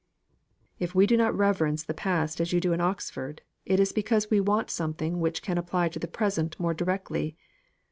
"If we do not reverence the past as you do in Oxford, it is because we want something which can apply to the present more directly.